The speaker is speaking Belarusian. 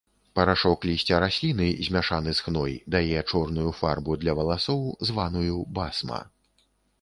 Парашок лісця расліны, змяшаны з хной, дае чорную фарбу для валасоў, званую басма.